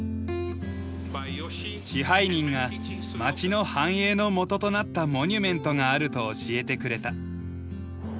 支配人が町の繁栄の基となったモニュメントがあると教えてくれた。